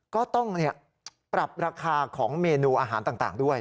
ก็ต้องปรับราคาของเมนูอาหารต่างด้วย